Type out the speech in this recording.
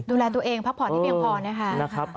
ดูแลตัวเองพักผ่อนที่เพียงพอ